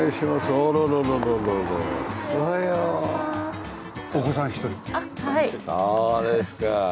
そうですか。